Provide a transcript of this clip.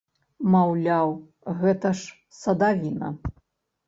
Маўляў, гэта ж садавіна!